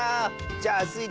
じゃあスイ